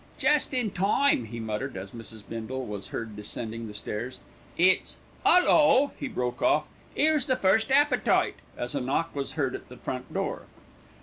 "Jest in time," he muttered, as Mrs. Bindle was heard descending the stairs. "It's 'Ullo!" he broke off, "'ere's the first appetite," as a knock was heard at the front door.